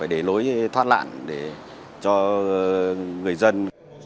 bản để cho người dân